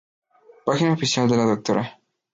Página oficial de la Dra.